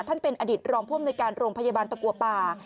ท่านเป็นอดีตรองผู้อำนวยการโรงพยาบาลตะกัวป่า